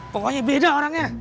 pokoknya beda orangnya